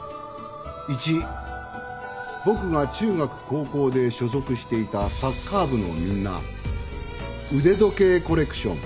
「一僕が中学高校で所属していたサッカー部のみんな腕時計コレクション」